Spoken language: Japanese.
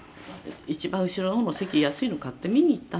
「一番後ろの方の席安いの買って見に行ったんです」